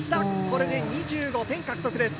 これで２５点獲得です。